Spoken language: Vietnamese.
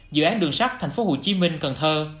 dự án đường sắt thành phố hồ chí minh cần thơ